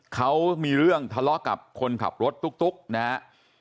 เขามีเรื่องทะเลาะกับคนขับรถตุ๊กนะครับ